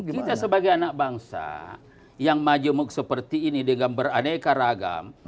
kita sebagai anak bangsa yang majemuk seperti ini dengan beraneka ragam